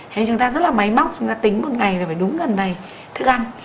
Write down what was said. thấy chúng ta rất là máy móc chúng ta tính một ngày là phải đúng gần này thức ăn